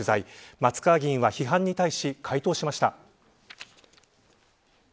松川議員は批判に対し回答しました。